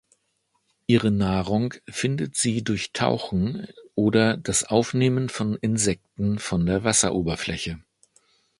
Ihre Nahrung findet sie durch Tauchen oder das Aufnehmen von Insekten von der Wasseroberfläche.